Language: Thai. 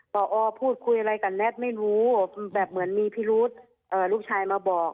พอพูดคุยอะไรกับแน็ตไม่รู้แบบเหมือนมีพิรุธลูกชายมาบอก